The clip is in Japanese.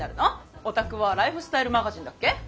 お宅はライフスタイルマガジンだっけ？